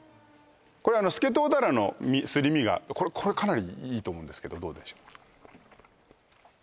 これスケトウダラのすり身がこれかなりいいと思うんですけどどうでしょう？